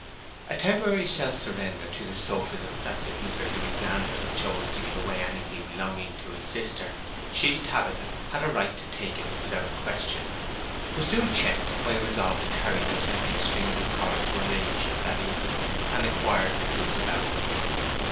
A temporary self surrender to the sophism that if Mr. Louis Glanville chose to give away anything belonging to his sister, she, Tabitha, had a right to take it without question, was soon checked by a resolve to carry the tempting strings of coral to her ladyship that evening, and inquire the truth about them.